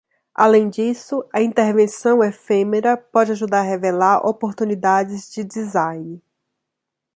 Além disso, a intervenção efêmera pode ajudar a revelar oportunidades de design.